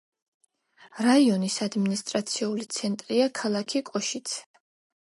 რაიონის ადმინისტრაციული ცენტრია ქალაქი კოშიცე.